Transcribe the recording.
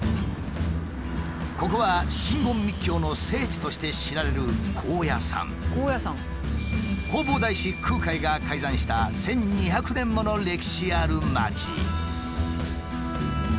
ここは真言密教の聖地として知られる弘法大師空海が開山した１，２００年もの歴史ある町。